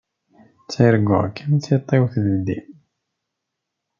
Ttarguɣ-kem tiṭ-iw teldi.